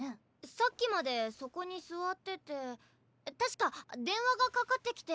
さっきまでそこに座ってて確か電話がかかってきて。